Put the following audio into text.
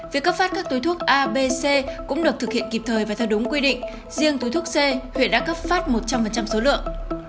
việc cấp phát các túi thuốc abc cũng được thực hiện kịp thời và theo đúng quy định riêng túi thuốc c huyện đã cấp phát một trăm linh số lượng